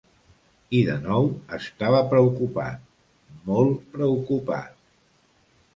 I de nou, estava preocupat, molt preocupat.